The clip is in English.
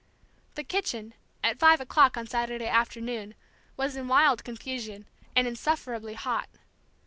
The kitchen, at five o'clock on Saturday afternoon, was in wild confusion, and insufferably hot.